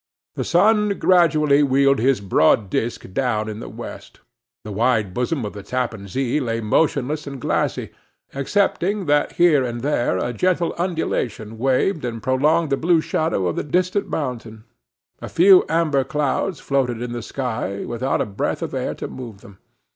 The sun gradually wheeled his broad disk down in the west. The wide bosom of the Tappan Zee lay motionless and glassy, excepting that here and there a gentle undulation waved and prolonged the blue shadow of the distant mountain. A few amber clouds floated in the sky, without a breath of air to move them.